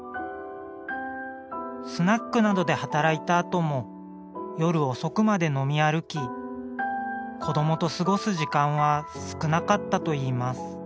スナックなどで働いたあとも夜遅くまで飲み歩き子どもと過ごす時間は少なかったといいます。